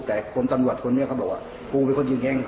แต่คนตำรวจคนนี้เขาบอกว่ากูเป็นคนยิงเอง